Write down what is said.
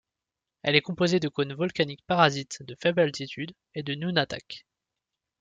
Elle est composée de cônes volcaniques parasites de faible altitude et de nunataks.